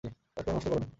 এক ফোঁটাও নষ্ট করনি।